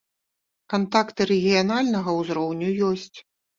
Кантакты рэгіянальнага узроўню ёсць.